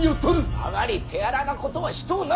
あまり手荒なことはしとうない。